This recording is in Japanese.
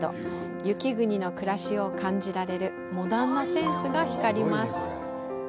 “雪国の暮らし”を感じられるモダンなセンスが光ります。